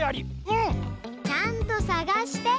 うん！ちゃんとさがして！